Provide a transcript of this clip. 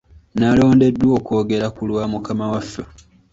Nalondeddwa okwogera ku lwa mukama waffe .